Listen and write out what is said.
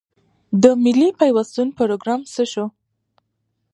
د ملي پیوستون پروګرام څه شو؟